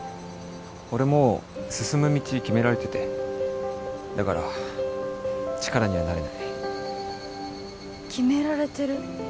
俺もう進む道決められててだから力にはなれない決められてる？